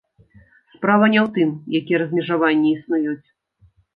Справа не ў тым, якія размежаванні існуюць.